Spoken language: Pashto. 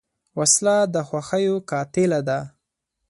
وسله د خوښیو قاتله ده